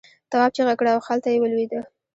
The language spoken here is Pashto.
تواب چیغه کړه او خلته یې ولوېده.